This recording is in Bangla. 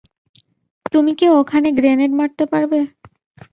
তুমি কি ওখানে গ্রেনেড মারতে পারবে?